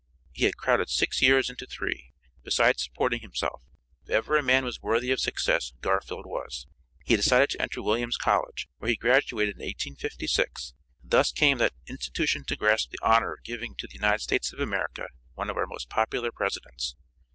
He had crowded six years into three, beside supporting himself. If ever a man was worthy of success Garfield was. He decided to enter Williams College, where he graduated in 1856, thus came that institution to grasp the honor of giving to the United States of America one of our most popular presidents.